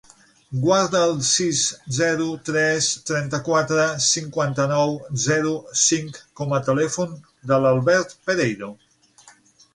Guarda el sis, zero, tres, trenta-quatre, cinquanta-nou, zero, cinc com a telèfon de l'Albert Pereiro.